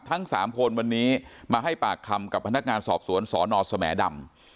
ทั้ง๓คนวันนี้มาให้ปากคำกับพนักงานสอบสวนสนสแหมดำ